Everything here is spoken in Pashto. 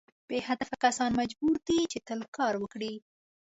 بې هدفه کسان مجبور دي چې تل کار وکړي.